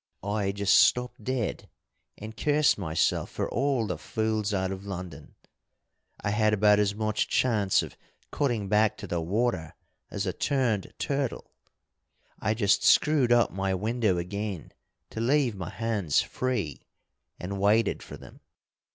"I just stopped dead, and cursed myself for all the fools out of London. I had about as much chance of cutting back to the water as a turned turtle. I just screwed up my window again to leave my hands free, and waited for them.